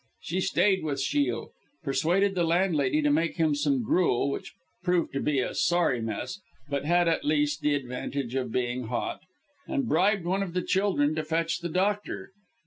She stayed with Shiel; persuaded the landlady to make him some gruel (which proved to be a sorry mess, but had at least the advantage of being hot), and bribed one of the children to fetch the doctor.